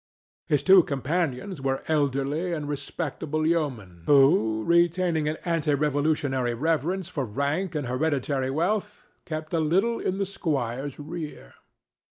His two companions were elderly and respectable yeomen who, retaining an ante Revolutionary reverence for rank and hereditary wealth, kept a little in the squire's rear.